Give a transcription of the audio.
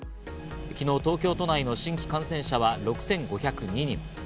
昨日、東京都内の新規感染者は６５０２人。